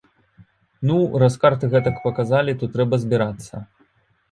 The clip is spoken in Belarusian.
Ну, раз карты гэтак паказалі, то трэба збірацца.